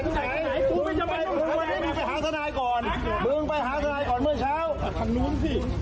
เธอไปหาสนายก่อน